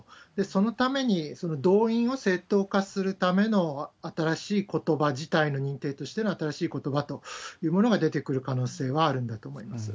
そのために、その動員を正当化するための新しいことば自体の認定としての新しいことばというものが出てくる可能性はあるんだと思います。